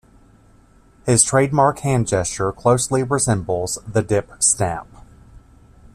His trademark hand gesture closely resembles the "dip snap".